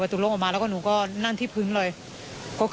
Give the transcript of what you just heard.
ส่วนรถที่นายสอนชัยขับอยู่ระหว่างการรอให้ตำรวจสอบ